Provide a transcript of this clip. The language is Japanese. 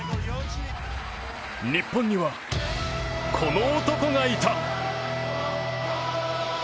日本には、この男がいた。